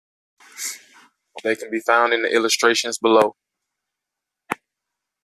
They can be found in the illustrations below.